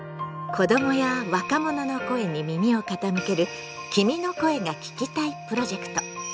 子どもや若者の声に耳を傾ける「君の声が聴きたい」プロジェクト。